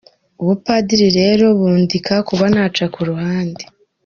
Ubupadiri rero bundinda kuba naca ku ruhande.